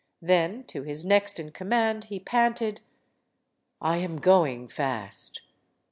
Then to his next in command he panted: "I am going fast.